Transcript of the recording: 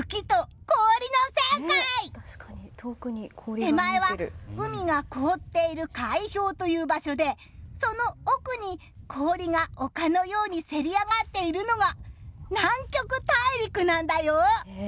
手前は、海が凍っている海氷という場所でその奥に、氷が丘のようにせり上がっているのが南極大陸なんだよ！